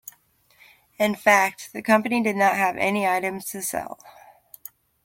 In fact, the company did not have any items to sell.